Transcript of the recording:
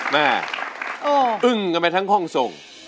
แม่อึ้งกันไปทั้งห้องส่ง